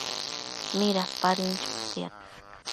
Midapadën chotiad